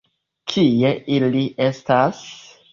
Kie ili estas?